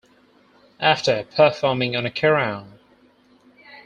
After performing on a Kerrang!